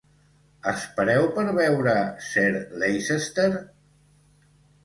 Espereu per veure Sir Leicester?